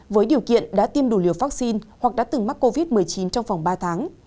với điều kiện đã tiêm đủ liều vaccine hoặc đã từng mắc covid một mươi chín trong vòng ba tháng